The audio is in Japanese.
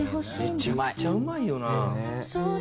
「めちゃくちゃうまいよな」